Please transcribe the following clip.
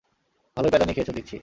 ভালোই প্যাঁদানি খেয়েছো দেখছি।